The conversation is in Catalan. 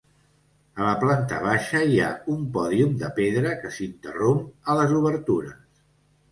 A la planta baixa hi ha un pòdium de pedra que s'interromp a les obertures.